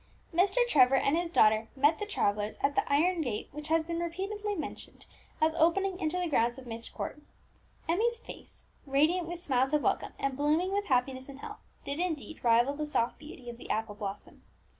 Mr. Trevor and his daughter met the travellers at the iron gate which has been repeatedly mentioned as opening into the grounds of Myst Court. Emmie's face, radiant with smiles of welcome, and blooming with happiness and health, did indeed rival the soft beauty of the apple blossom.